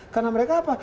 karena mereka apa